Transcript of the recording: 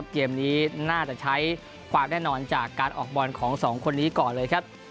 เกมนี้น่าจะใช้ความแน่นอนจากการออกบอลของสองคนนี้ก่อนเลยครับ